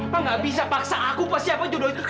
pak gak bisa paksa aku pak siapa judohin